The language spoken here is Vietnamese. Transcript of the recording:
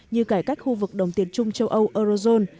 như cải cách khu vực đồng tiền chung châu âu eurozone